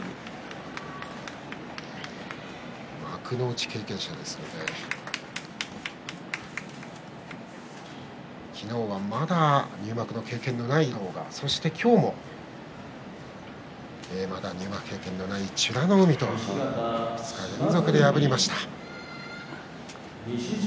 幕内経験者ですので昨日はまだ入幕の経験がない狼雅そして今日もまた入幕経験がない美ノ海を相手に２日連続で破りました。